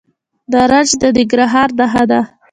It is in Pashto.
نارنج د ننګرهار نښه ده.